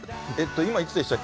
今、いくつでしたっけ？